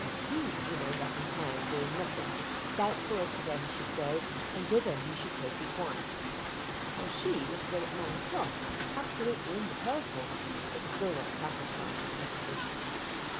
He remained up in town doing nothing, doubtful as to where he should go and whither he should take his wife, while she was still at Manor Cross, absolutely in the purple, but still not satisfied with her position.